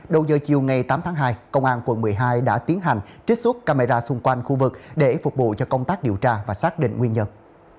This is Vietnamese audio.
đầu giờ chiều ngày tám tháng hai công an quận một mươi hai đã tiến hành trích xuất camera xung quanh khu vực để phục vụ cho công tác điều tra và xác định nguyên nhân